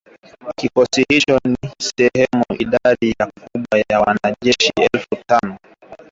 Kikosi hicho ni sehemu ya idadi kubwa ya wanajeshi elfu tano